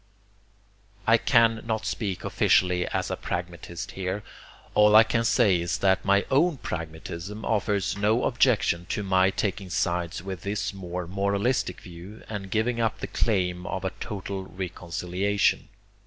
I can not speak officially as a pragmatist here; all I can say is that my own pragmatism offers no objection to my taking sides with this more moralistic view, and giving up the claim of total reconciliation.